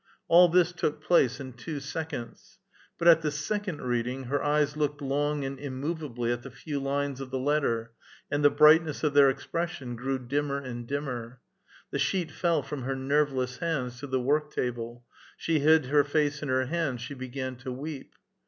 All this took place in two seconds. But at the second reading her eyes looked long and immovably at the few lines of the letter, and the brightness of their expression grew dimmer and dim mer ; the sheet fell from her nei'veless hands to the work table ; she hid her face in her hands ; she began to weep.